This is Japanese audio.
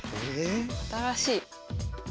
新しい。